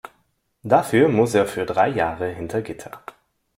Dafür muss er für drei Jahre hinter Gitter.